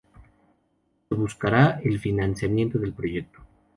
Se buscará el financiamiento del proyecto.